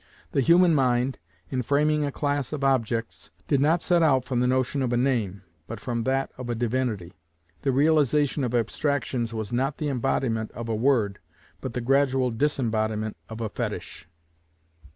The human mind, in framing a class of objects, did not set out from the notion of a name, but from that of a divinity. The realization of abstractions was not the embodiment of a word, but the gradual disembodiment of a Fetish.